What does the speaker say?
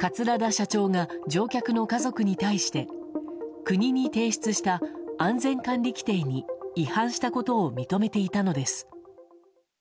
桂田社長が乗客の家族に対して国に提出した安全管理規程に違反したことを認めていたのです。